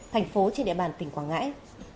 thành phố trên địa bàn tỉnh quảng ngãi